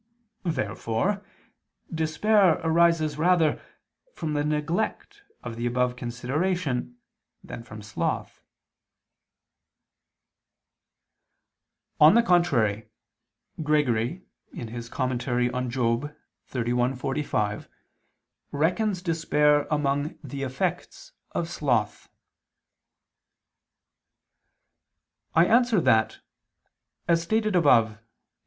Therefore despair arises rather from the neglect of the above consideration than from sloth. On the contrary, Gregory (Moral. xxxi, 45) reckons despair among the effects of sloth. I answer that, As stated above (Q.